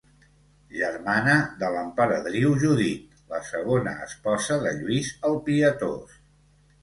Germana de l'emperadriu Judit, la segona esposa de Lluís el Pietós.